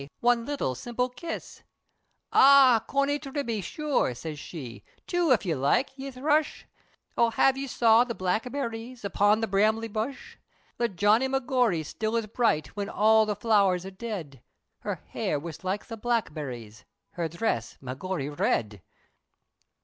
One little simple kiss." "Ah! Corney tibbey, sure," said she, "Two if ye like, ye thrush!" O have ye saw the blackberries, Upon the brambly bush? The Johnny Magory still is bright, Whin all the flowers are dead, Her hair, was like the blackberries! Her dhress, Magory red!